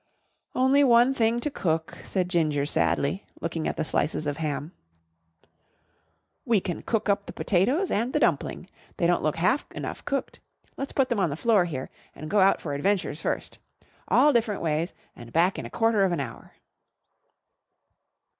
"Only one thing to cook," said Ginger sadly, looking at the slices of ham. "We can cook up the potatoes and the dumpling. They don't look half enough cooked. Let's put them on the floor here, and go out for adventures first. All different ways and back in a quarter of an hour."